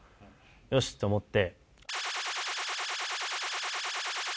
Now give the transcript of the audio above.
よし！と思って。